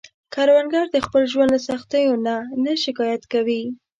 کروندګر د خپل ژوند له سختیو نه نه شکايت کوي